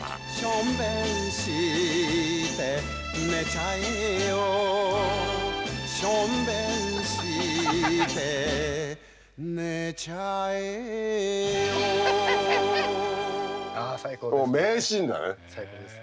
しょんべんして寝ちゃえよしょんべんして寝ちゃえよああ最高ですね。